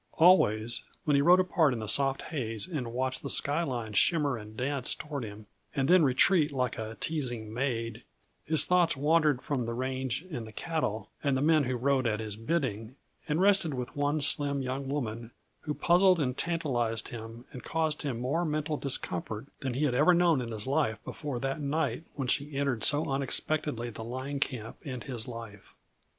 Always, when he rode apart in the soft haze and watched the sky line shimmer and dance toward him and then retreat like a teasing maid, his thoughts wandered from the range and the cattle and the men who rode at his bidding and rested with one slim young woman who puzzled and tantalized him and caused him more mental discomfort than he had ever known in his life before that night when she entered so unexpectedly the line camp and his life.